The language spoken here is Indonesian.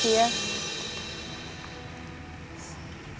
terima kasih ya